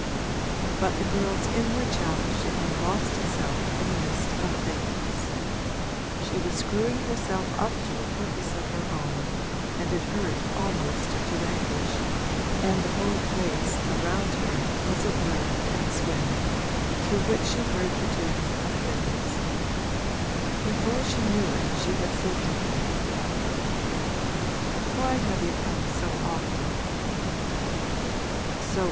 But the girl's inward challenge to him lost itself in a mist of faintness; she was screwing herself up to a purpose of her own, and it hurt almost to anguish, and the whole place, around her, was a blur and swim, through which she heard the tuning of fiddles. Before she knew it she had said to him, 'Why have you come so often?'